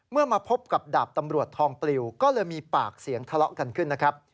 มาพบกับดาบตำรวจทองปลิวก็เลยมีปากเสียงทะเลาะกันขึ้นนะครับ